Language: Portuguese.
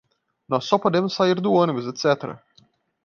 Nós só podemos sair do ônibus, etc.